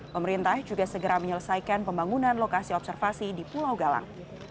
pemerintah juga segera menyelesaikan pembangunan lokasi observasi di pulau galang